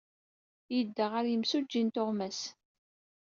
Yedda ɣer yimsujji n tuɣmas.